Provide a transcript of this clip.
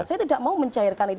saya tidak mau mencairkan itu